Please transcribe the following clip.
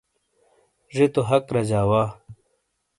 زے تو حق رجا وا